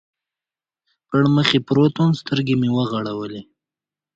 پر مخ پروت ووم، سترګې مې و غړولې.